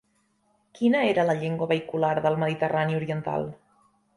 Quina era la llengua vehicular del Mediterrani oriental?